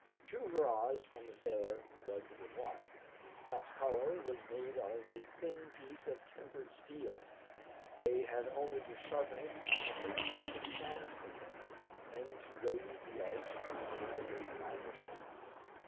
Two hurrahs from the sailor was the reply. Top's collar was made of a thin piece of tempered steel. They had only to sharpen it on a piece of sandstone, then to raise the edge on a finer stone.